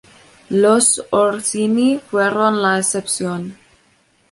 Los Orsini fueron la excepción.